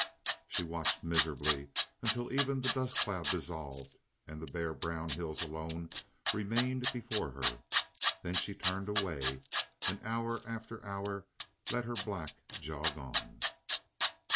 She watched miserably until even the dust cloud dissolved and the bare, brown hills alone remained before her. Then she turned away, and hour after hour let her black jog on.